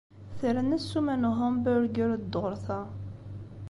Terna ssuma n uhamburger dduṛt-a.